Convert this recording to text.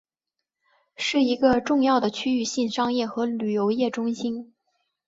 是一个重要的区域性商业和旅游业中心。